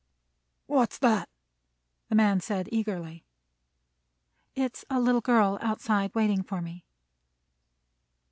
"What's that?" said the man eagerly. "It's a little girl outside waiting for me."